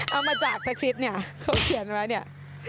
เอามาจากสคริปต์เนี่ยเขาเขียนไว้เนี่ย